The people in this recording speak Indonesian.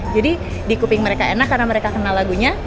jadi di kuping mereka enak karena mereka kenal lagunya